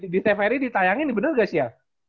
di teferi ditayangin bener gak shell